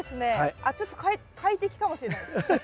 あっちょっと快適かもしれない。